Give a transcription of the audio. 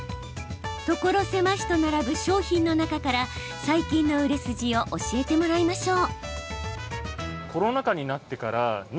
所狭しと並ぶ商品の中から最近の売れ筋を教えてもらいましょう。